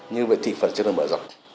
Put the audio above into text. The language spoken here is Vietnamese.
như vậy thị phần chưa được mở rộng